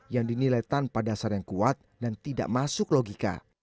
yang dinilai tanpa dasar yang kuat dan tidak masuk logika